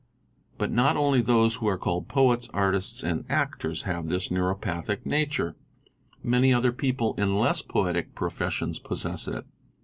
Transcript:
But not only those who are called poets, artists, and actors, _ have this neuropathic nature ; many other people in less poetic professions possess it.